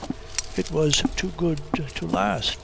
"It was too good to last.